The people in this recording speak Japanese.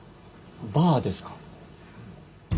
バーですか？